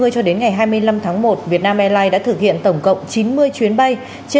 trong ngày hai mươi bốn tháng một việt nam airlines đã thực hiện tổng cộng chín mươi chuyến bay